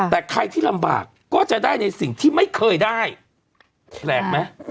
แต่ใครที่ลำบากก็จะได้ในสิ่งที่ไม่เคยได้แปลกไหม